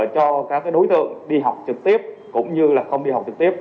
cho các đối tượng đi học trực tiếp cũng như là không đi học trực tiếp